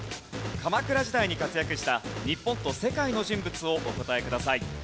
鎌倉時代に活躍した日本と世界の人物をお答えください。